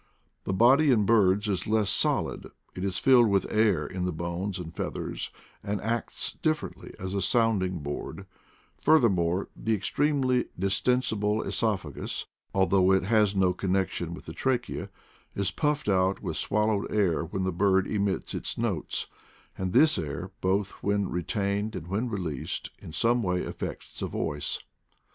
The body in birds is less solid ; it is filled with air in the bones and feathers, and acts differently as a sounding board ; further more, the extremely distensible oesophagus, al though it has no connection with the trachea, is puffed out with swallowed air when the bird emits its notes, and this air, both when retained and when released, in some way affects the voice.